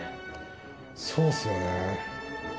そうですよね。